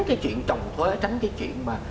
cái chuyện trồng thối tránh cái chuyện mà